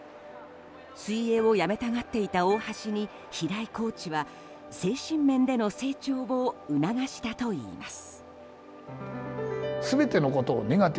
水泳をやめたがっていた大橋に平井コーチは精神面での成長を促したといいます。